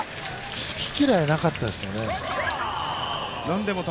好き嫌いがなかったですよね。